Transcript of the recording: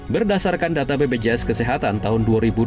berdasarkan data bpjs kesehatan tahun dua ribu dua puluh